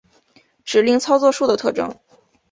指令操作数的特征